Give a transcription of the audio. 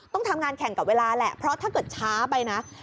ต้องทำงานแข่งกับเวลาแหละเพราะถ้าเกิดช้าไปนะ